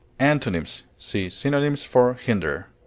Antonyms: See synonyms for HINDER.